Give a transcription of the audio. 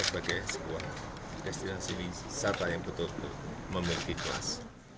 sebagai sebuah destinasi wisata yang betul betul memiliki kelas